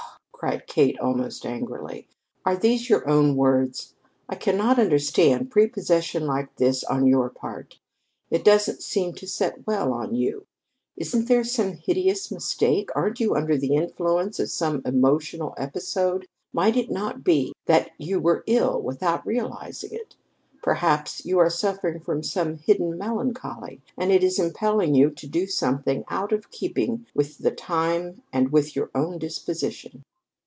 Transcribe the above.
cried Kate, almost angrily. "Are these your own words? I cannot understand a prepossession like this on your part. It doesn't seem to set well on you. Isn't there some hideous mistake? Aren't you under the influence of some emotional episode? Might it not be that you were ill without realizing it? Perhaps you are suffering from some hidden melancholy, and it is impelling you to do something out of keeping with the time and with your own disposition."